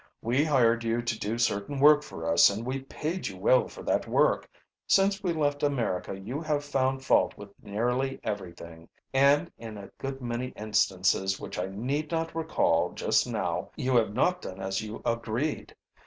"We hired you to do certain work for us, and we paid you well for that work. Since we left America you have found fault with nearly everything, and in a good many instances which I need not recall just now you have not done as you agreed.